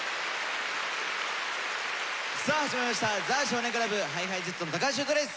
（さあ始まりました「ザ少年倶楽部」ＨｉＨｉＪｅｔｓの橋優斗です。